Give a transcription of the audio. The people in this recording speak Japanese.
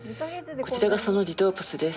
こちらがそのリトープスです。